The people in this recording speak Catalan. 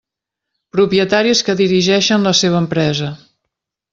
Propietaris que dirigeixen la seva empresa.